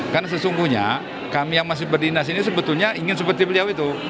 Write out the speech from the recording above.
karena sesungguhnya kami yang masih berdinas ini sebetulnya ingin seperti beliau itu